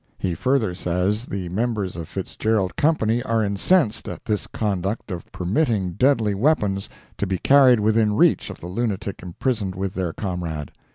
He further says the members of Fitzgerald's Company are incensed at this conduct of permitting deadly weapons to be carried within reach of the lunatic imprisoned with their comrade.